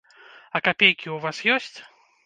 А капейкі ў вас ёсць?